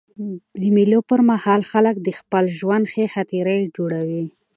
د مېلو پر مهال خلک د خپل ژوند ښې خاطرې جوړوي.